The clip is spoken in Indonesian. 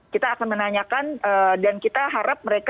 kita akan menanyakan dan kita harap mereka